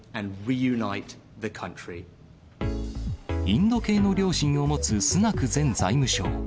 インド系の両親を持つスナク前財務相。